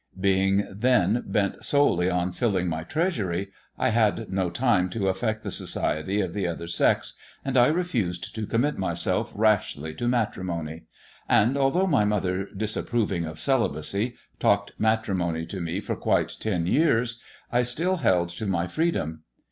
Being then bent solely on filling my treasury, I had no time to affect the society of the other sex, and I refused to commit myself rashly to matrimony; and, although my mother, disapproving of celibacy, talked matrimony to me for quite ten years, I still held to my freedom.